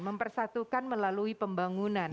mempersatukan melalui pembangunan